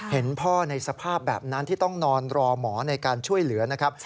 เห็นพ่อในสภาพแบบนั้นที่ต้องนอนรอหมอในการช่วยเหลือนะครับ